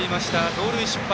盗塁失敗。